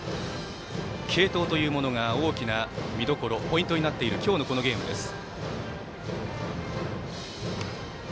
継投というものが大きな見どころポイントになっている今日の、このゲームです。